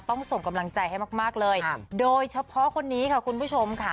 ส่งกำลังใจให้มากเลยโดยเฉพาะคนนี้ค่ะคุณผู้ชมค่ะ